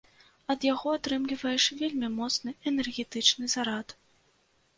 Ад яго атрымліваеш вельмі моцны энергетычны зарад.